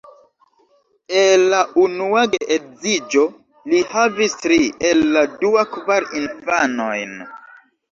El la unua geedziĝo li havis tri, el la dua kvar infanojn.